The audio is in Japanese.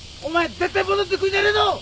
絶対戻ってくるんじゃねえぞ！